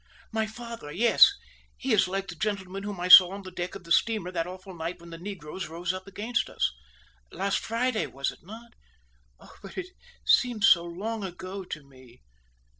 My father, yes, he is like the gentleman whom I saw on the deck of the steamer that awful night when the negroes rose up against us last Friday, was it not? But it seems so long ago to me!